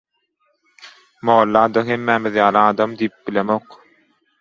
Molla-da hemmämiz ýaly adam” diýip bilemok.